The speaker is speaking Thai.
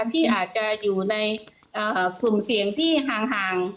ที่อาจจะอยู่ในกลุ่มเสี่ยงที่ห่าง